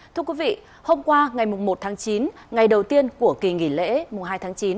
thưa quý vị hôm qua ngày một tháng chín ngày đầu tiên của kỳ nghỉ lễ mùng hai tháng chín